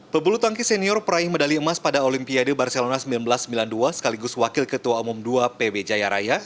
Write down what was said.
pebulu tangkis senior peraih medali emas pada olimpiade barcelona seribu sembilan ratus sembilan puluh dua sekaligus wakil ketua umum dua pb jaya raya